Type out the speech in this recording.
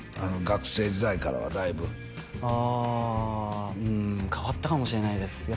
学生時代からはだいぶああうん変わったかもしれないです